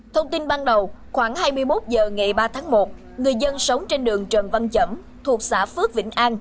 thông tin ban đầu khoảng hai mươi một h ngày ba tháng một người dân sống trên đường trần văn chẩm thuộc xã phước vĩnh an